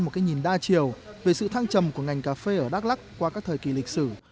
một cái nhìn đa chiều về sự thăng trầm của ngành cà phê ở đắk lắc qua các thời kỳ lịch sử